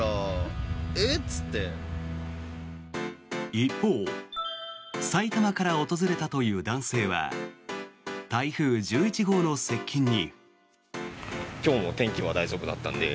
一方埼玉から訪れたという男性は台風１１号の接近に。